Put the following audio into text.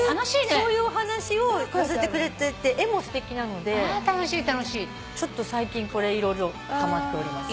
そういうお話を載せてくれてて絵もすてきなのでちょっと最近これ色々はまっております。